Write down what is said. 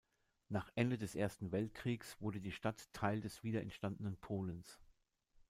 Nach Ende des Ersten Weltkriegs wurde die Stadt Teil des wieder entstandenen Polens.